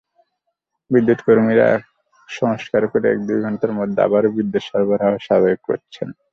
বিদ্যুৎকর্মীরা সংস্কার করে এক-দুই ঘণ্টার মধ্যে আবারও বিদ্যুৎ সরবরাহ স্বাভাবিক করছেন।